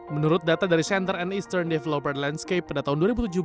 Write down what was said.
menurut data dari center and eastern developer landscape pada tahun dua ribu tujuh belas